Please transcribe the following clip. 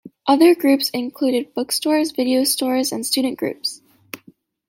Other groups included bookstores, video stores and student groups.